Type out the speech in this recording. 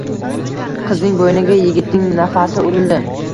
Qizning boʻyniga yigitning nafasi urildi